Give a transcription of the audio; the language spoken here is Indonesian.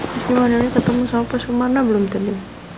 pas di marino ketemu siapa sumarna belum tadi